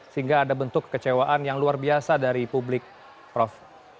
sehingga ada bentuk kekecewaan yang luar biasa dari publik prof